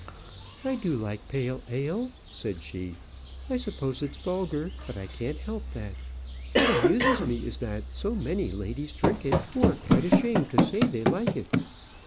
"I do like pale ale," said she; "I suppose it's vulgar, but I can't help that. What amuses me is, that so many ladies drink it who are quite ashamed to say they like it."